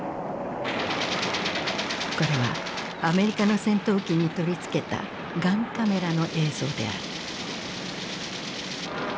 これはアメリカの戦闘機に取り付けたガンカメラの映像である。